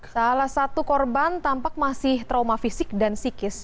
salah satu korban tampak masih trauma fisik dan psikis